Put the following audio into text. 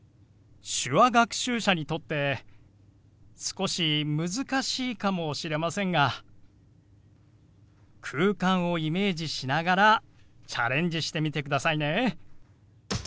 手話学習者にとって少し難しいかもしれませんが空間をイメージしながらチャレンジしてみてくださいね。